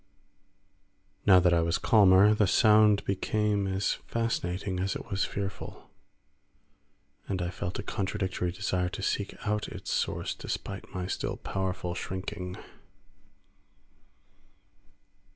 Now that I was calmer, the sound became as fascinating as it was fearful, and I felt a contradictory desire to seek out its source despite my still powerful shrinking.